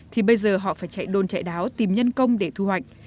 thì bây giờ họ phải chạy đồn chạy đáo tìm nhân công để thu hoạch